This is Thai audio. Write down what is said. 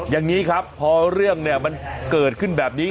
อย่างนี้ครับพอเรื่องเนี่ยมันเกิดขึ้นแบบนี้